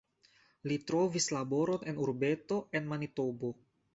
Li trovis laboron en urbeto en Manitobo.